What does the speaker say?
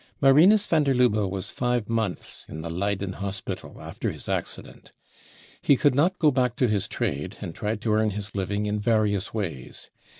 Marirrus van der Lubbe was five months in the Leyden Hospital after his accident. Pie could not go back to Ins trade, and tried to earn his living in various ways.